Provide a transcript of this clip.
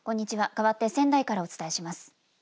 かわって仙台からお伝えします。